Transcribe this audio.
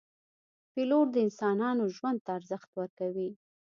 پیلوټ د انسانانو ژوند ته ارزښت ورکوي.